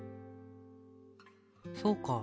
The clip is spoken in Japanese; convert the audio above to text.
そうか。